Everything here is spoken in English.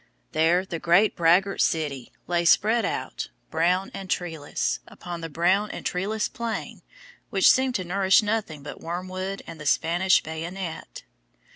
There the great braggart city lay spread out, brown and treeless, upon the brown and treeless plain, which seemed to nourish nothing but wormwood and the Spanish bayonet.